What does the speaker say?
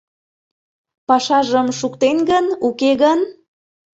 Пашажым шуктен гын, уке гын?